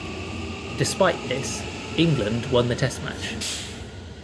Despite this England won the test match.